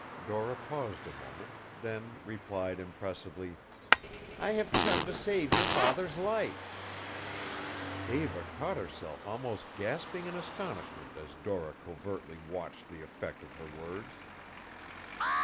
Dora paused a moment, then replied, impressively, "I have come to save your father's life." Eva caught herself almost gasping in astonishment as Dora covertly watched the effect of her words.